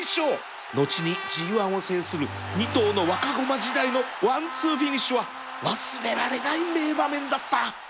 後に ＧⅠ を制する２頭の若駒時代のワンツーフィニッシュは忘れられない名場面だった